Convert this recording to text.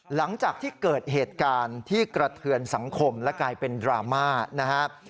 หลังจากที่เกิดเหตุการณ์ที่กระเทือนสังคมและกลายเป็นดราม่านะครับ